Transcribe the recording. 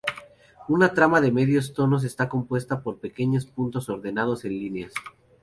Una trama de medios tonos está compuesta por pequeños puntos ordenados en líneas.